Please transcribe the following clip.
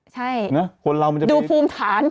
ใช่ดูภูมิฐาน